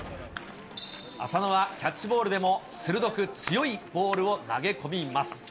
浅野はキャッチボールでも、鋭く強いボールを投げ込みます。